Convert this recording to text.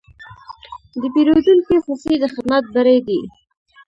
د پیرودونکي خوښي د خدمت بری دی.